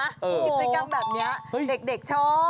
กิจกรรมแบบนี้เด็กชอบ